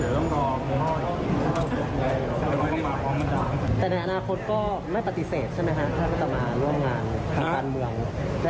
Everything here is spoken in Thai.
แต่ในอนาคตก็ไม่ปฏิเสธใช่ไหมฮะถ้าว่าจะมาร่วมงานทางการเมือง